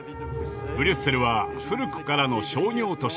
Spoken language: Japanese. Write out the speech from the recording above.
ブリュッセルは古くからの商業都市。